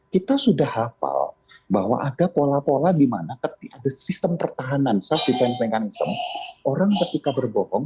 kita sudah hafal bahwa ada pola pola di mana sistem pertahanan orang ketika berbohong